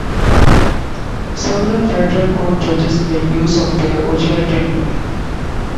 Several Federal Court judges made use of their original tenure.